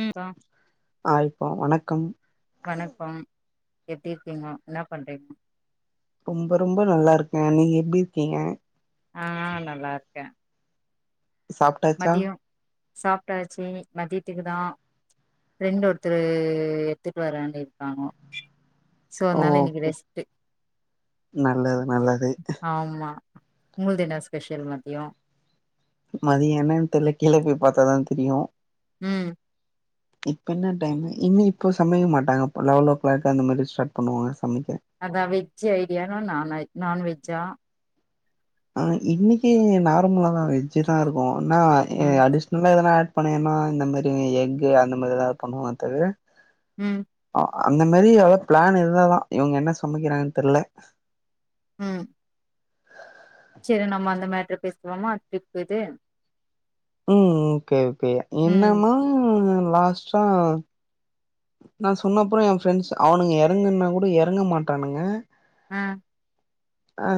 ம் கா ஆ இப்போ வணக்கம் எப்பிடி இருக்கீங்க இன்னா பண்றீங் ரொம்ப ரொம்ப நல்லா இருக்கே நீங்க எப்பிடி இருக்கீங்க ஆ நல்லா இருக்கே சாப்ட்டாச்சா சாப்பிட்டாச்சி மதியத்துக்குதா ப்ரெண்டு் ஒருத்தர் எடுத்துட்டு வரன்னு இருக்காங்கோ சோ அனால இன்னிக்கு ஓகே ரெஸ்ட் நல்லது நல்லது ஆமா உங்கள்து என்ன ஸ்பெஷல் மத்தியோ மதிய என்னன்னு தெரியல கீழ போய் பாத்தாதா தெரியு ம் இப்ப என்ன டைம் இன்னு இப்போ சமைக்க மாட்டாங்க லெவலோ கிளாக் அந்த மாரி ஸ்டார்ட் பண்ணுவாங்க சமைக்க அதா வெஜ் ஐடியானு நா நான் வெஜ்ஜா ஆ இன்னிக்கு நார்மலாதா வெஜ்ஜுதா இருக்கும் ஒன்ன ஏ ம் அடிஷ்னலா ஏதா ஆட் பன்ய ஏமா இந்த மாரி எக்கு அந்த மாரிதா பண்ணுவங்க தவிர ம் அ- அந்த மாரி எவ்ளோ பிளான் இருந்தாதான் இவுங்க என்ன சமைக்கிறாங்கன்னு தெரில ம் சரி நம்ம அந்த மேட்ரு பேசுவோமா டிரிப்பு இது ம் ம் கேவ் இப்பியே ம் என்னமா லாஸ்ட்டா நா சொன்னப்புற எம் ஃப்ரெண்ஸ் அவனுங்க எறங்குன்னா கூட எறங்க மாட்டானுங்க ஆ ஆ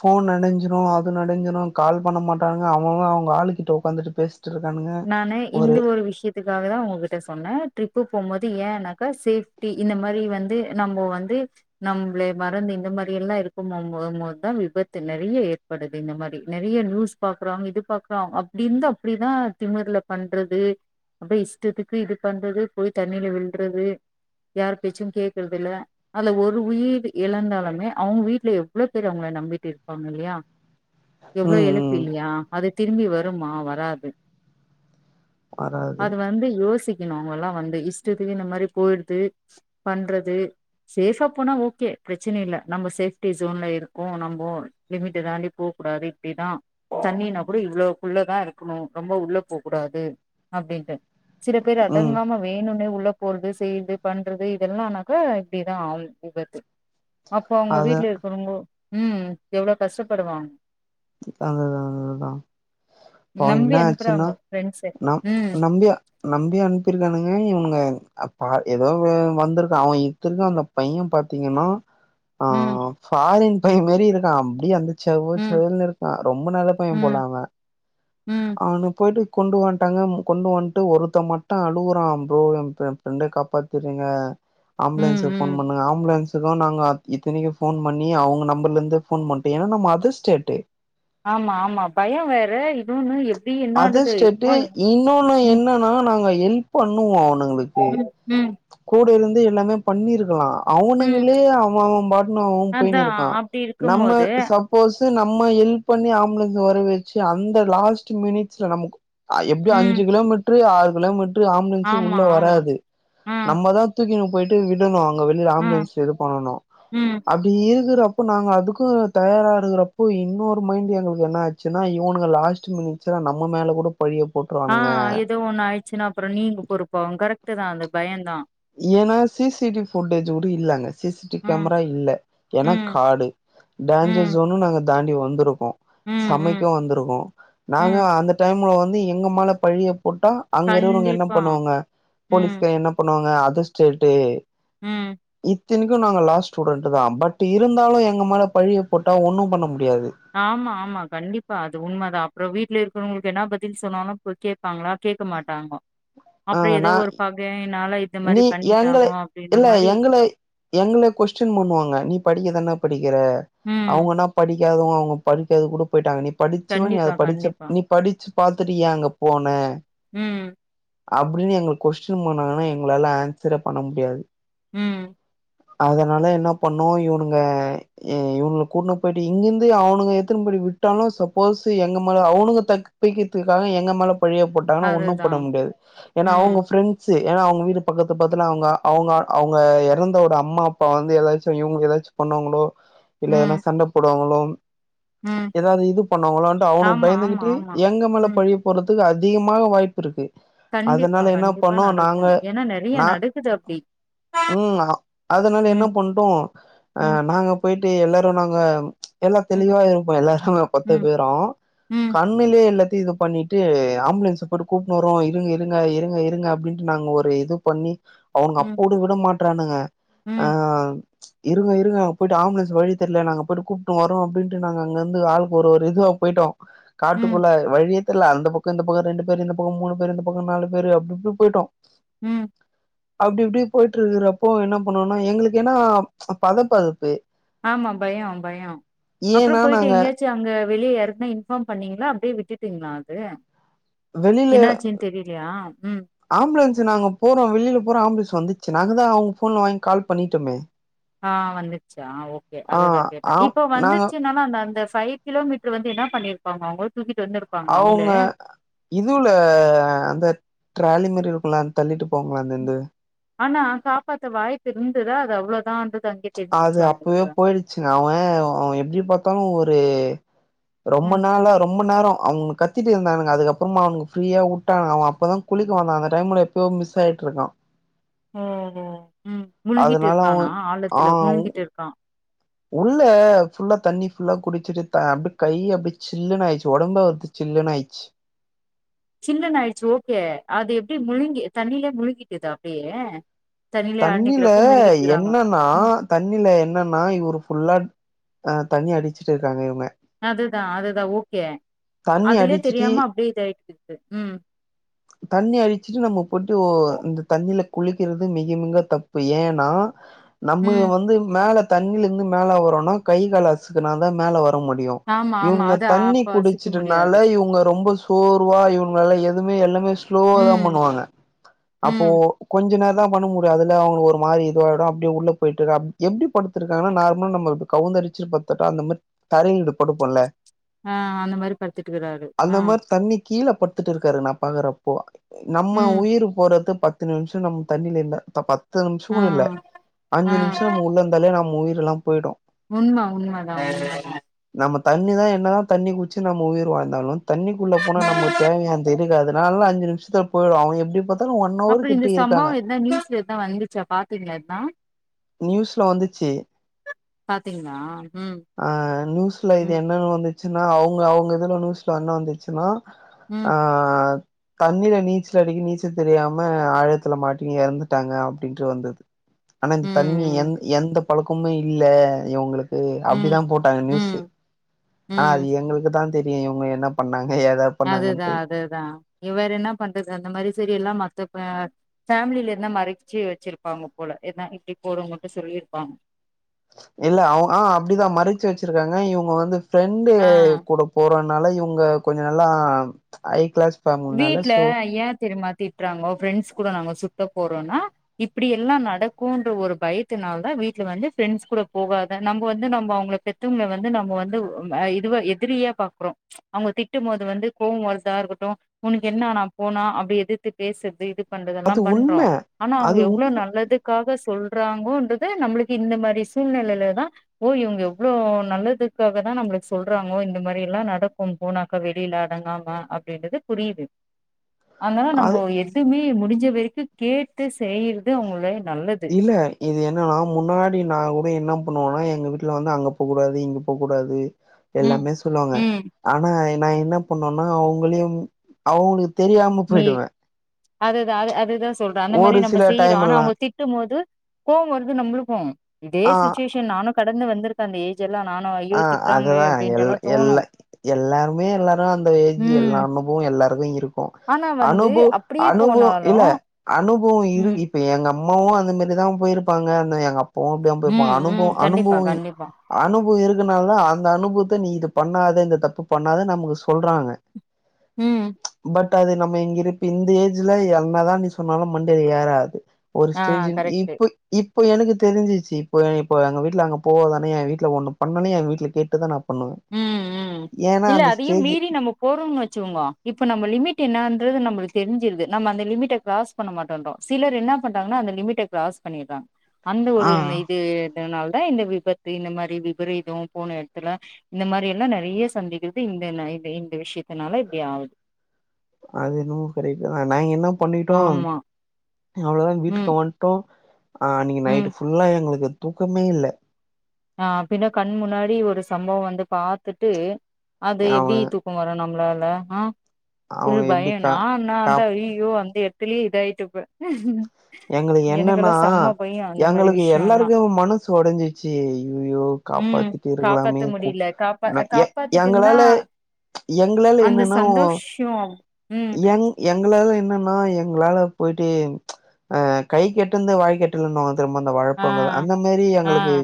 போன் நனஞ்சிரும் அது நனஞ்சிரும் கால் பண்ண மாட்டானுங்க அவுங்க அவங்க ஆளுக்கிட்ட உக்காந்துட்டு பேஸ் நானு இந்த ஒரு விஷயத்துக்காக தான் உங்க கிட்ட சொன்னேன் டிரிப்பு போம்போது ஏனாக்கா சேஃப்டி இந்த மாரி வந்து நம்ம வந்து நம்பிள மறந்து இந்த மாரி எல்லா இருக்கும் போம் போதுதா விபத்து நெறைய ஏற்படுது இந்த மாரி நெறைய நியூஸ் பாக்குறோம் இது பாக்குறோம் அப்டி இருந்து அப்டிதான் திமுர்ல பண்றது அப்டியே இஷ்டத்துக்கு இது பண்றது போய் தண்ணில விழுறது யார் பேச்சும் கேக்குறது இல்ல அதுல ஒரு உயிர் இழந்தாலுமே அவுங்க வீட்ல எவ்ள பேரு அவுங்கள நம்பிட்டு இருப்பாங்க இல்லயா எவ்ளோ ம் எழப்பு ம் இல்லயா அது திரும்பி வருமா வராது வராது அது வந்து யோசி அவுங்கல்லா வந்து இஷ்டத்து இந்த மாரி போயிடுது பண்றது சேஃபா போனா ஓகே பிரச்சனை இல்ல நம்ம சேப்டி சோன்ல இருக்கும் நம்போ லிமிட்ட தாண்டி போக கூடாது இப்படிதான் தண்ணினா கூட இவ்ளோ குள்ளதா இருக்கணு ரொம்ப உள்ள போக் கூடாது அப்பிடின்டு சில பேர் ம் அடங்காம வேணுன்னே உள்ள உள்ள போறது செய்யுறது பண்றது இதெல்லா ஆனாக்கா இப்டிதான் ஆவும் விபத்து அப்ப அவுங்க அதா வீட்ல இருக்குறவுங்களும் ம் எவ்வுளோ கஷ்டப்படுவாங் அத அதா அததா இப்போ நம்பி என்ன ஆச்சுன்னா அனுப்புறாங்கோ ஃப்ரெண்ட்ஸு நம் ம் நம்பியா நம்பி அனுப்பிருக்கானுங்க இவனுங்க பா அப்ப ஏதோ ஒ வந்திருக்கா அவன் இத்துருக்க அந்த பையன் பாத்தீங்கன்னா ஆ ம் ஃபாரின் பேய் மாரி இருக்கான் அப்டி அந்த செக் ம் செவேல்னு இருக்கா ரொம்ப நல்ல பையன் போல ம் அவேன் ம் அவனு போயிட்டு கொண்டு வன்டாங்க கொண்டு வன்ட்டு ஒருத்த மட்டு அழுவுறான் ப்ரோ என் ஃப்ரெண்ட காப்பாத்திருங்க ம் ஆம்புலன்ஸ் ம் போன் பண்ணுங்க ஆம்புலன்ஸ் த்துக்கு நாங்க இத்தனக்கி ஃபோன் பண்ணி அவுங்க நம்பர்ல இருந்து ஃபோன் பண்ட்டு ஏன்னா நம்ம அதர் ஸ்டேட் டு ஆமா ஆமா பயோ வேற இன்னொன்னு எ அதர் ஸ்டேட்டு இன்னொன்னு ம் என்னன்னா நாங்க ஹெல்ப் பண்ணுவோ ன்ன உங்களுக்கு ம் ம் கூட இருந்து து எல்லாமே பண்ணிருக்கலா ம் அவனுங்களே அவ அவ பாட்னு அவ போயினு அதா இருக்கா அப்டி நம்ம இருக்கும்போது சப்போஸ் இது நம்ம ஹெல்ப் பண்ணி ஆம்புலன்ஸ் வர வச்சு அந்த லாஸ் ட்டு மினிட்ஸ்ல நமக்கு ஆ எப்டியு ம் அஞ்சு கிலோமீட்ரு ஆறு கிலோமீட் ரு ஆம்புலன்ஸு ஆமா உள்ள ஆமா வராது ஆ நம்மதா தூக்கினு போயி ட்டு விடணு அங்க வெளில ஆ ஆம்புலன்ஸ் இது பண்ணணு ம் அப்டி இருக்கற அப்போ நாங்க அதுக்கு தயாரா இருக்குறப்போ இன்னொரு மைண்ட் எங்களுக்கு என்ன ஆச்சுனா இவனுக லாஸ்ட் மினிட் ஸுல நம்ம மேல கூட ஆ எதோ ஒண்ணு ஆயிட்ச்சுன்னா அப்புறோ நீங்க பொறுப்பாவீங்க கரெக்ட் டுதா அந்த பயம்தா ஏன்னா C C T V footage கூட இல்ல அங்க சி சி டி வி ம் கேமரா இல்ல ஏன்னா ம் காடு டேஞ்ஜர் ம் ஜோனு நாங்க தாண்டி வந்துரு க்கோ ம் சமைக்க ம் வந்திருக்கோ நாங்க ம் அந்த டைம்ல வந் து எங்க மேல பழிய போட்டா அங்க இருக்குறவங்க என்ன கண்டிப்பா பண்ணுவாங்க ம் போலீஸ்க்கு என்ன பண்ணுவா ங்க அதர் ஸ்டேட்டு் ம் த்தினிக்கு நாங்க லா ஸ்டூடெண்ட்டுதா பட் இருந்தாலு எங்க மேல பழிய போட்டா ஒன்னும் பண்ண முடி ஆமா ஆமா கண்டிப்பா அது உண்மைதா அப்றோ வீட்ல இரு க்குறவங்களுக்கு என்னா பதில் சொன்னாலு இப்ப கேப்பாங்களா கேக்க மாட்டோங்க ஆ அப்றோ எதோ நா ஒரு பக நீ எங்கள இல்ல மாரி எங்கள எங்கள கொஸ்டின் பண்ணுவாங்க நீ படிக்க தான குற ம். அவுங்கனா படிக்க அவுங்க படிக்காது கூட போயிட்டாங்க படிச்சும் நீ அத கண்டிப்பா, படிச்ச கண்டிப்பா. நீ படிச்சு பாத்துட்டு ஏன் அங்க போன உம் அப்டின்னு எங்கள கொஸ்டின் பனாங்கன்னா என் உங்களால ஆன்சரே பண்ண முடியாது உம் அதனால என்னா பண்ணோ இவனுங்க இவனு கூட்னு போயிட்டு இங்கிருந்து அவனுங்க எத்தினு போடி விட்டாலு சப்போஸ் எங்க மேல அவனுங்க தப்பிக்கிறதுக்காக எங்க மேல பழிய போட்டாங்கன்ன ஒன்னும் போட அதுதான். முடியாது ஏன்னா ம், அவுங்க பிரெண்ட்ஸ் ஏனா அவுங்க பக்கத்து பத்துல அவுங்க அவுங்க அவுங்க எறந்தரோட அம்மா அப்பா வந்து ஏதாச்சு இவங்கள ஏதாச்சு பண்ணுவாங்களோ இல்ல எதனா ம், சண்ட போடுவாங்களோ ம். ஏதாவது இது பண்ணுவாங்களோ வந்து அவனு ஆமா, ஆமா, பயந்துகிட்டு ஆமா. எங்க மேல ம். பழிய போறதுக்கு அ அதிகமாக வாய்ப்பு இருக்கு கண்டிப்பா அதனால என்ன கண்டிப்பா பண்ணோ நாங்க நடக்கு ஏன்னா ந நா உம் அதனால என்ன ம், பண்ணிட்டோம் அ ம், நாங்க போயிட்டு எல்லாரு நாங்க எல்லா ம், தெளிவா இருக்கு எல்லாருமே பத்து ம், பேரு ம், கண்ணிலேயே இல்ல இது பண்ணிட்டு ஆம்புலன்ஸ் போயிட்டு கூப்பிட்டு வருவோ இருங்க இருங்க இருங்க அப்டின்ட்டு நாங்க ஒரு இது பண்ணி அவனுங்க ம், அப்போடு விட மாட்றானுக ஆ ம், இருங்க இருங்க அங்க போயிட்டு ஆம்புலன்ஸ் வழி தெரில நாங்க போயிட்டு கூப்ட்டுன்னு வரோ அப்டின்னுட்டு நாங்க அங்கிருந்து ஆளுக்கு ஒரு இதுவாக போயிட்டோ ம், காட்டுக்குள்ள வழியே தெரியல அந்த பக்கோ இந்த பக்கோ ரெண்டு பேரு இந்த பக்கோ மூனு பேர் இந்த பக்கோ நாலு பேர் அப்டி இப்டி போயிட்டோ உம் அப்டி இப்டி போயிட்டு இருக்குறப்போ என்ன பண்ணும்னா எங்களுக்கு என்னா பதப்பதப்பு ஆமா பயோ பயோ அப்றோ ஏன்னா போயிட்டு நாங்க எங்கயாச்சு அங்க வெளியே யாருக்குன்னா இன்ஃபார்ம் பண்ணீங்களா அப்டியே விட்டுட்டிங்ளா ஏ வெளியில ம். ஆம்புலன்ஸு நாங்க போறோ வெளியில போறோ ஆம்புலன்ஸு வந்துச்சு சரி நாங்க தா அவுங்க ஃபோன வாங்கி கால் பண்ணிட்டோமே ஆ வந்துர்ச்சா ஓகே ஆ அதுதா கேட்டே ஆ இப்ப நாங்க வந்துர்ச்சுனாலு அந்த அந்த ஃபைவ் கிலோமீட்ரு வந்து என்ன பண்ணிரு பாங்க அவுங்க அவுங்க இதுவுல அந்த ட்ராலி மாரி இருக்குல்ல அந் தள்ளிட்டு போவாங்களே அந்த இந்த ஆனா காப்பாத்த வாய்ப்பு இருந் ததா அது அவ்ளொதான்ற அது அப்பவே போயிடுச்சுங்க அவே அவ எப்டி பாத்தாலு ஒ ரு ரொம்ப ம் நாள ரொம்ப நேரொ அவனு கத்திட்டு இருந்தானுங்க அதுக்கப்றமா அவனுங்க ஃப்ரீயா உட்டானுங்க அவ அப்பதா குளிக்க வந்தா அந்த டைம்ல எப்பயோ மிஸ் ஆயிட்ருக்கா ஓஹோ ம் முழுங்கிட்டு இருக்கானா அவன் ஆழ ஆ த்துல முழுங்கிட்டுருக்கா உள்ள ஃபுல்லா தண்ணி ஃபுல்லா குடிச்சுட்டு த அப்டி‌ கை அப்டியே சில்லுன்னு ஆயிச்சி ஒடம்பே அவுர்து சில்லுன்னு ஆயிச்சு சில்லனு ஆயிடுச்சு ஓகே அது எப்புடி முழுங்கி தண்ணிலே முழுங்கிட்டுதா அப்டியே தண்ணிலே தண்ணில ஆடினிக்கிறப்போ முழுங்கிட்டுக்கிறாங்க என்னன்னா ம் தண்ணில என்னன்னா இவரு ஃபுல்லா ஆ தண்ணி அடிச்சிட்டு இருக்காங்க இவுங்க அதுதா அதுதா ஓகே தண்ணி அதுலே அடிச்சிட்டி தெரியாம அப்டியே இதாயிட்டு இருக்கு ம் தண்ணி அடிச்சுட்டு நம்ம போட்டு ஓ. இந்த தண்ணி ல குளிக்கிறது மிக மிக தப்பு ஏனா நம்ம ம் வந்து மேல தண்ணிலந்து மேலே வரோனா கை கால் அசுக்குன தா மேலே வ ர முடியு ஆமா ஆமா இவனுங்க அது தண்ணி அப்ப சிக்க குடிச்சிட்டனால முடியாது இவுங்க ரொம்ப சோர்வா இவனுங்ளால எ துமே எல்லாமே ஸ்லோவ தா ம் பண்ணுவாங்க அப்போ ம் கொஞ்ச நேர தா பண்ண முடியு அதுல அவுங்க ஒரு மாரி இதுவாயிடு அப்டியே உள்ள போயிட்டுறப் எப்டி படுத்துருக்காங்கனா நார்மலா நம்ம கவுந்த அடிச்சிட்டு படுத்துட்டா அந்த மாரி தரைல இப்டி படுப்போல்ல ஆ அந்த மாரி படுத்துட்டிகுறாரு ஆ மாரி தண்ணி கீழ பட்த்துட்டு இருக்காரு நா பாக்குறப்போ நம்ம ம் உயிர் போறத்து பத்து நிமிஷ நம் தண்ணில இல்ல தப்பா பத்து நிமிஷம் ஆ கூட இல்ல ஆ அஞ்சு நிமிஷம் நம்ம உள்ள இருந்தாலே நம் முயிர் எல்லாம் போய்டும் உண்ம உண்மதான் உண்ம தான் நம்ம தண்ணி தான் என்ன தான் தண்ணி குச் சு நம்ம முயிர் வாழ்ந்தாலும் தண்ணிக்குள்ள போனா நமக்கு தேவையானந்தே கெடையாது நான்லா அஞ்சு நிமிஷத்தில போய்டுவேன் அவனுங்க எப்படி ப அப்புறம் இந்த சம்பவம் எந்த நியூஸ்ல எதும் வந்துச்சா பாத்தீங்களா எதும் நியூஸ்ல வந்துச்சு பாத்தீங்களா ம் அ நியூஸ்ல இது ம் என்னன்னு வந்து ச்சுனா அவுங்க அவுங்க இதுல நியூஸ்ல என்ன வந்துச்சுன்னா ஆ ம் ஆ தண்ணில நீச்சல் அடிக்க நீச்சல் தெரியாம ஆழத்துல மாட்டி எறந்துட்டாங்க அப்டின்ட்டு வந்தது தண்ணி ம் எந் எந்த பழக்குமே இல்ல இவுங்களுக் கு ம் அப்டிதான் போட்டாங்க நியூஸூ ம் ஆனா அது எங்களுக்கு தான் தெரியும் இவுங்க என்ன பண்ணாங் அதுதான் அதுதான் இவர் என்ன பண்றது அந்த மாரி செரி எல்லாம் மத்த ஃபேமிலில எதனா மறச்சு வச்சிருப்பாங்க போல எதா இப்டி போடுனு மட்டும் சொல்லியிருப்பாங்க இல்ல ஔ அ அப்டிதான் மறச்சு வச்சிருக்காங்க இவுங்க வந்து ஃப்ரெண்டு ஆ கூட போறேன்னு னால இவுங்க கொஞ்சம் நல்லா ஐ கிளாஸ் ஃபேமிலினால வீட்ல சோ ஏன் தெரிமா திட்டுறாங்கோ ஃப்ரெண்ட்ஸ் கூட நாங்க சுத்த போறோம்னா இப்டி எல்லாம் நடக்கும்ன்ற ஒரு பயத்தினால வீட்ல வந்து ஃப்ரெண்ட்ஸ் கூட போகாத நம்ம வந்து நம்ம அவுங்க பெத்தவங்கள வந்து நம்ம வந்து இதுவா எதிரியா பாக்குறோம் அவுங்க திட்டும் போது வந்து கோவம் வரதா இருக்கட்டும் உனக்கு என்னா நான் போனா அப்டி எதித்து பேசுறது அது பண்றதெல்லாம் உண்ம பண்றோம் ஆனா அவுங்க அது எவ்ளோ உண்ம நல்லதுக்காக சொல் றாங்கோன்றது நம்மளுக்கு இந்த மாரி சூழ்நிலையில தான் ஓ இவுங்க இவ்ளோ நல்லதுக்காக தான் நம்மளுக்கு சொல்றாங்கோ இந்த மாரி எல்லாம் நடக்கும் போனாக்கா வெளியில அடங்காம அப்டின்றது புரியுது அதனால அது நம்போ எதுமே முடிஞ் ச வரைக்கும் கேட்டு செய்யறது அவங்கள நல்லது இல்ல இது என்னனா முன்னாடி நான் கூட என்ன பண்ணுவோனா எங்க வீட்ல வந்து அங்க போ கூடாது இங்க போ கூடாது ம் எல்லாமே சொல்லுவாங்க ம் ஆனா நா என்னா பண்ணோன்னா அவங்களையு அவுங்களுக் தெரியாம போயிடுவே அதுதா‌ அது அதுதா சொல்ற அந்த மாரி ஒரு நம்ப சில செய்றோ டைம் ஆனா எல்லா அவங்க திட்டும் போது கோவோ வருது நம்பளுக்கு இதே ஆ சிச்சுவேஷன் நானு க டந்து வந்திருக்க அந்த ஏ ஆ அதுதா எல் எல்ல தோணு எல்லாருமே எல்லாரு அந்த ஏஜ் ம் எல்லா அனுபவோ எல்லாருக்கு இருக்கு ஆனா வந்து அனுப அப்டியே அனுபவோ போனாலு இல்ல அனுபவோ இரு ம் இப்ப எங் அம்மாவு அந்த மாரிதா போயிருப்பாங்கன்னு எங்கப் போகம்ன்டு இருக்கோ ம் அனுபவு ம் கண்டிப்பா அனுபவு கண்டிப்பா அனுபவுயிக் அ அந்த அனுபவத்த நீ இது பண்ணாத இந்த தப்பு பண்ணாத நமக்கு சொல்றாங்க உ பட் அது நம்ம இங்க இருப்ப இந்த ஏஜ்ல என்னதா நீ சொன்னாலு மண்டெல ஏறாது ஒரு ஆ ஸ்டேஜின் கரெக்ட்டு இப்ப இப் இப்போ எனக்கு தெரிஞ்சிச்சி இப்போ இப்போ எங்க வீட்ல அங்க போதானே எ வீட்ல ஒன்னு பண்னோன்னே எ வீட்ல கேட்டுதா நா பண்ணுவே ம் ம் ஏன்னா இல்ல அந்த அதையு ஸ்டேஜ் மீறி நம்ம போறோனு வச்சுக்கோங்கோ இப்ப நம்ம லிமிட் என்னான்றது நம்மளு தெரிஞ்சிருது நம்ம அந்த லிமிட்ட கிராஸ் பண்ண மாட்டோன்றோ சிலர் என்ன பண்றாங்கனா அந்த லிமிட்ட கிராஸ் பண்ணிறாங்க அந்த ஆ ஒரு இது எதுனாலு அதா இந்த விபத்து இந்த மாரி விபரீதோ போன எடத்துல இந்த மாரி எல்லா நெறைய சந்திக்கிறது இந்த இது இந்த விஷயத்துனால இப்டி ஆவுது அது என்னமோ கரெக்ட்டுதா நாங்க என்ன பண்ணிட்டோ ஆமா அவ்ளோதா வீட்டுக்கு ம் வன்ட்டோ ஆ நீங்க ம் நைட் ஃபுல்லா எங்களுக்கு தூக்கமே இல்ல ஆ பின்ன கண் முன்னாடி ஒரு சம்பவோ வந்து பாத்துட்டு அது அவ எப்டி தூக்கம் வரனு உங்களால ஆ அவங்க ஃபுல் எப்டி பயோ கா நா நா அந்த காப் ஐயோ அந்த எ டத்துலயே இதாயிட்ட அப்ப எங்களுக்கு என்னன்னா அந்த மாரி எங்களுக்கு விஷயல்லா எல்லாருக்கு மனசு ஒடஞ்சிச்சு ஐயயோ ம் காப்பாத்திட்டு இருக்கலாமே காப்பாத்த கு முடியல காப்பா நா எ காப்பாத்திட்டு இருந்தா எங்களால எங்களால அந்த என்னன்னா ஒ சந்தோஷோ ம் எங் எங்களால என்னன்னா எங்களா ல போயிட்டு ஆ கைக்கு எட்டுனது வாய்க்கு எட்டலனுவாங் திரும்ப அந்த ஆ வாழபங்க அந்த மாரி ஆ எங்களுக்கு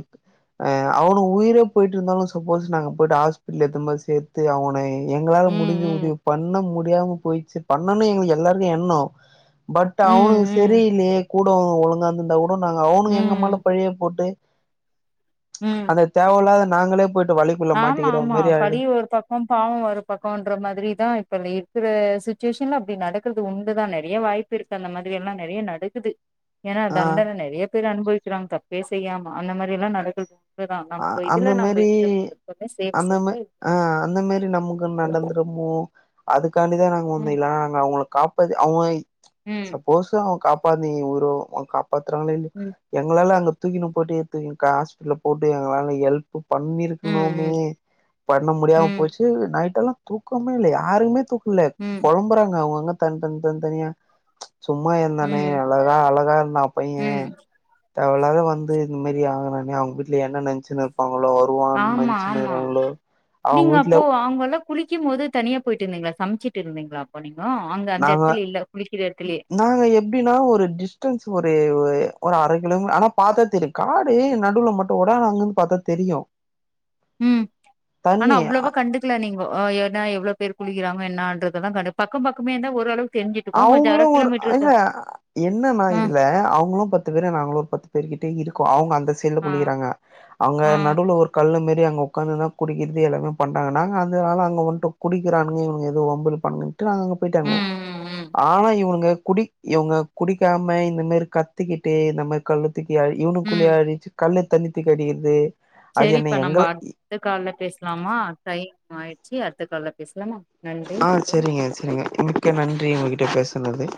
அ அவனு உயிரே போயிட்டு இருந்தாலு சப்போஸ் நாங்க போய்ட்டு ஹாஸ்பிடல எத்து போய் சேத்து அவன எங்களால முடிஞ்ச உதவி ம் பண்ண மு யாவு போய்சு பண்ணனு எங்களுக்கு எல்லாருக்கு எண்ணோ பட் ம் ம் அவனுங்க ம் செரில்லயே கோட் ஓ ஒழுங்கா இந்துருந்தா ஓ நாங்க அவனுங்க எங்க மேல ம் பழிய போட்டு ம்ப்ச் ம் அது தேவயில்லாத நாங்களே போயிட்டு வலிக்குள்ள ஆமா மாட்டிக்கிற ஆமா மாரி ஆயிடு பழி ஒரு பக்கோ பாவோ ஒரு பக்கோன்ற மாதிரிதா இப்பல இருக்கிற சு சுச்சும்மா அப்டி நடக்கறது உண்டுதா நெறய வாய்ப்பு இருக்கு அந்த மாதிரி எல்லா நெறய நடக்குது ஏனா ஆ தண்டன நெறய பேர் அனுபவிக்குறாங்க தப்பே செய்யாம அந்த மாதிரி எல்லா நடக்குது இப்பதா நம்ம அந்த இதுல நம்ம மாரி இருந்துக்கனு அந்த மா ஆ அந்த மாதிரி நமக்கு இருக்கனு நடந்துருமோ அதுக்கு க்காண்டிதான் நாங்க வந்த இதுவேணாம்னு நாங்க அவுங்களைன காப்ப ப்ப வந்து அவுங்க ம் சப்போஸ் அவுங்க காப்ப ப்ப வந்து நீ உயிரும் ஊம் காப்ப பாத்துதாங்ளா இல்லய ம் எங்களால அங்க துக்கினு போட்டு எடுத்து வைக்கா ஹாஸ்பிட்டல் போனு போட்டு எங்களால ஹெல்ப் பண்ணிருக்கணுமே ம் பண்ண முடியாம ம் போச்சு நைட்டு எல்லா தூக்கமே இல்ல யாருக்குமே தூங்க இல்ல ம் பொழம்புறாங்க அவுங்க அவுங்க தந் தந் தந் தனியா சும்மா இருந்தானே ம் அழகா அழகா இருந்தா பைய ம் தேவல்லாதா வந்து இந்த மாதிரி ஆகுறானே அவுங்க இல்ல என்ன நினச்சுனுருப்பா மாப்ள வருவான்னு ஆமா ஆமா நன்ச்சுனுயிருக்கங்ளோ அவுங் நீங்க வீட்ல அப்போ அங்கல்லா குளிக்கும் போது தனியா போய்ட்டிருந்தீங்ளா சமச்சிட் இருந்தீங்ளா அப்போ நீங் நாங்க நாங்க எப்டினா ஒரு டிஸ்டன்ஸ் ஒரே ஒ து ஒரு அர கிலோமு ஆனா பாத்தா தெரியு காடு நடுவுல மட்டு ஒட அங்கிந் பாத்தா தெரியும் ம் ஆனா அவ்ளவா கண்டுக்கல நீங்கோ ஓ எனா எவ்ளோ பேர் குளிக்கிறாங்கோ என்னான்றதுதா கடுப்பா அவுங்ளு ஒரு என்னனா அ இதுல அவுங்ளு பத்து பேரு நாங்ளு ஒரு பத்து பேரு கிட் டே இருக்கோ அவுங்க அந் அந்த சைடுல ஆ குளிகிறாங்க அவுங்க ஆ நடுவில் ஒரு கல்லு மேர் பேய் அங்க உக்காந்துதா குடிக்கிறது எல்லாமே பண்றாங்க நாங்க அந்தனால நாங்க வன்டோ குடிக்றானுக இவுனுக எதும் வம்பிழுப்பான்க ட்ரூவா அவுங் அங்க ம் பேய்ட்டாங்க ம் ம் ஆ இவனுங்க குடி இவுங்க குடிக்காம இந்தி மேரி கத்துக்கிட்டே இந்த மாரி கழுத் திக்கியாழி இவுனுக்குள்ளயே அடிச்சி கல்லு தண்ணி திக் அடிக்கற்து செரிப்பா நம்ம அத்த கால்ல பேசுலாமா டைம் ஆயிடுச்சு அத் த்த கால்ல பேசுலாமா ஆ செரிங்க செரிங்க மிக்க நன்றி உங்ககிட்ட பேசு னது